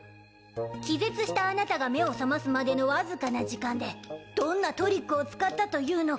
気絶したあなたが目を覚ますまでのわずかな時間でどんなトリックを使ったというのか。